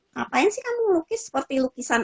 ngapain sih kamu melukis seperti lukisan